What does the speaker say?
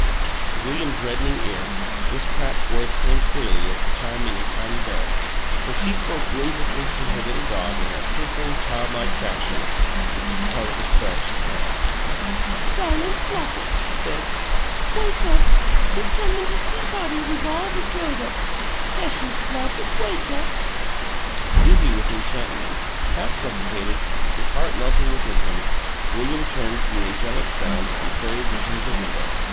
To William's reddening ear Miss Pratt's voice came clearly as the chiming of tiny bells, for she spoke whimsically to her little dog in that tinkling childlike fashion which was part of the spell she cast. "Darlin' Flopit," she said, "wake up! Oo tummin' to tea potty wiz all de drowed ups. P'eshus Flopit, wake up!" Dizzy with enchantment, half suffocated, his heart melting within him, William turned from the angelic sounds and fairy vision of the window.